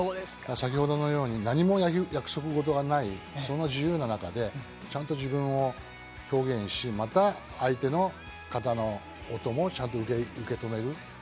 先ほどのように何も約束事がない、その自由な中でちゃんと自分を表現し、また相手の方のこともちゃんと受け止める。